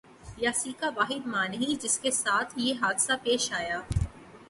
یاسیکا واحد ماں نہیں جس کے ساتھ یہ حادثہ پیش آیا